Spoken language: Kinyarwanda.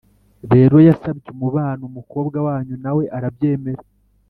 rero yasabye umubano umukobwa wanyu nawe arabyemera